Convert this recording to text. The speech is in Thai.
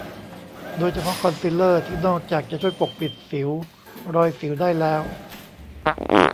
โดยเฉพาะคอนซีลเลอร์ ที่นอกจากจะช่วยปกปิดสิว รอยสิวได้แล้ว